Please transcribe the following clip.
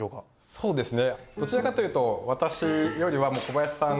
そうですね。